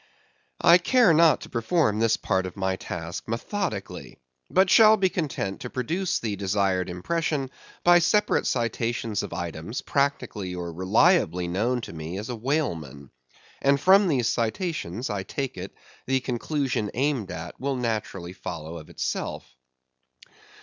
I care not to perform this part of my task methodically; but shall be content to produce the desired impression by separate citations of items, practically or reliably known to me as a whaleman; and from these citations, I take it—the conclusion aimed at will naturally follow of itself.